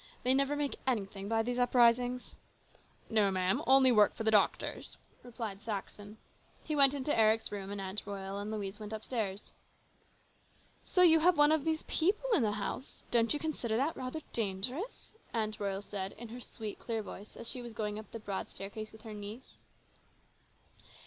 They never make anything by these uprisings." " No, ma'am, only work for the doctors," replied Saxon. He went into Eric's room and Aunt Royal and Louise went upstairs. AN EXCITING TIME. 185 " So you have one of these people in the house ? Don't you consider that rather dangerous ?" Aunt Royal said in her sweet, clear voice as she was going up the broad staircase with her niece.